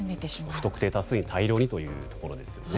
不特定多数を大量にということですね。